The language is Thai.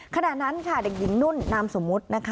ขณะนั้นค่ะเด็กหญิงนุ่นนามสมมุตินะคะ